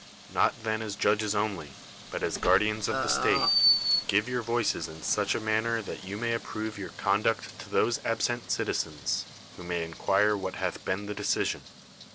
Not then as judges only, but as guardians of the state, give your voices in such a manner that you may approve your conduct to those absent citizens who may inquire what hath been the decision.